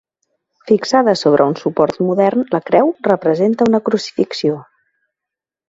Fixada sobre un suport modern, la creu representa una crucifixió.